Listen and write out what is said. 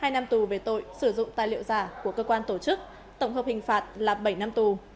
hai năm tù về tội sử dụng tài liệu giả của cơ quan tổ chức tổng hợp hình phạt là bảy năm tù